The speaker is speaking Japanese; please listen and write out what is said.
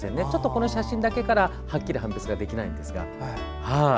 この写真だけでははっきり判別はできないんですが。